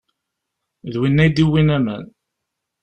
D winna i d-iwwin aman.